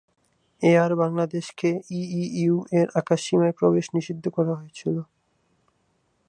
Air বাংলাদেশকে EU এর আকাশসীমায় প্রবেশ নিষিদ্ধ করা হয়েছিল।